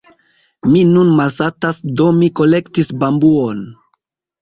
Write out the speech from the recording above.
Mi nun malsatas, do mi kolektis bambuon.